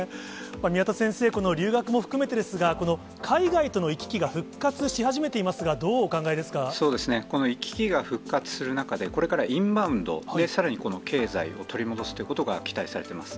宮田先生、この留学も含めてですが、海外との行き来が復活し始めそうですね、この行き来が復活する中で、これからインバウンド、さらに経済を取り戻すということが期待されてます。